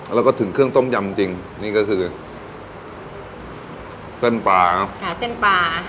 แล้วก็ถึงเครื่องต้มยำจริงนี่ก็คือเส้นปลาเนอะค่ะเส้นปลา